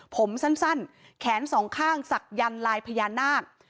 ผมสั้นแขนสองข้างสักยันลายพญานหน้า